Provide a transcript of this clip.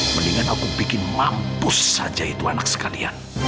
mendingan aku bikin lampus saja itu anak sekalian